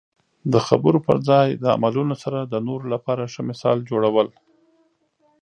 د خبرو په ځای د عملونو سره د نورو لپاره ښه مثال جوړول.